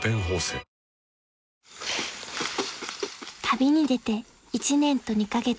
［旅に出て１年と２カ月］